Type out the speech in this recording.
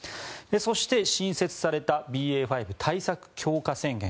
そして新設されたＢＡ．５対策強化宣言